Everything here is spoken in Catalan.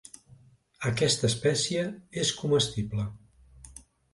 Aquesta espècie és comestible.